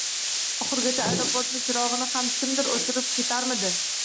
Oxirida aeroportni chirog‘ini ham kimdir o‘chirib ketarmidi...